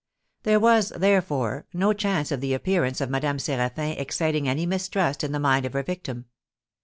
There was, therefore, no chance of the appearance of Madame Séraphin exciting any mistrust in the mind of her victim.